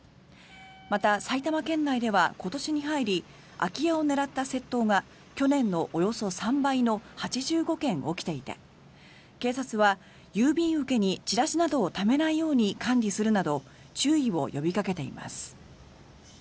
また、埼玉県内では今年に入り空き家を狙った窃盗が去年のおよそ３倍の８５件起きていて警察は、郵便受けにチラシなどをためないように管理するなど注意を呼びかけています。